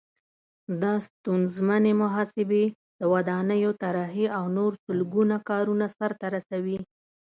دا ستونزمنې محاسبې، د ودانیو طراحي او نور سلګونه کارونه سرته رسوي.